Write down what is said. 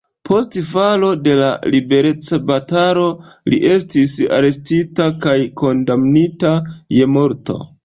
Post falo de la liberecbatalo li estis arestita kaj kondamnita je morto.